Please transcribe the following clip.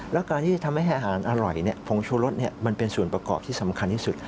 แล้วการที่ทำให้อาหารอร่อยผงชูรสมันเป็นส่วนประกอบที่สำคัญที่สุด